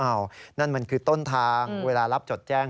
นั่นมันคือต้นทางเวลารับจดแจ้ง